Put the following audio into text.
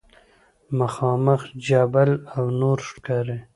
مخامخ جبل نور ښکاري.